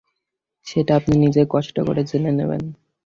সেটা আপনি নিজেই কষ্ট করে জেনে নেবেন।